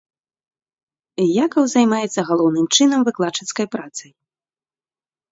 Якаў займаецца галоўным чынам выкладчыцкай працай.